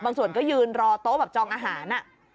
ส่วนก็ยืนรอโต๊ะแบบจองอาหาร